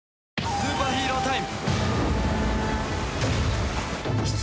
スーパーヒーロータイム。